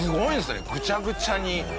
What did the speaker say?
ぐちゃぐちゃになって。